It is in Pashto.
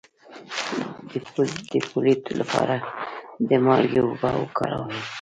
د پوزې د پولیت لپاره د مالګې اوبه وکاروئ